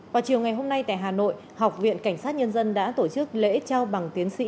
vào chiều ngày hôm nay tại hà nội học viện cảnh sát nhân dân đã tổ chức lễ trao bằng tiến sĩ